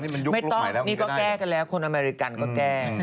ไม่ต้องนี่ก็แก้กันแล้วคนอเมริกันก็แก้